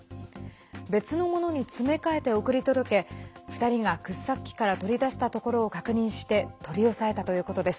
別のものに詰め替えて送り届け２人が、掘削機から取り出したところを確認して取り押さえたということです。